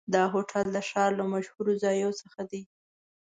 دا هوټل د ښار له مشهورو ځایونو څخه دی.